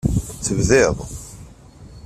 Tebdiḍ.